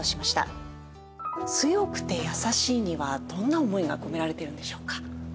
「強くてやさしい」にはどんな思いが込められているんでしょうか？